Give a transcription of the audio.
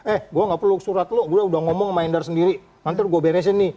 eh gue gak perlu surat lo gue sudah ngomong sama endar sendiri nanti gue benesin nih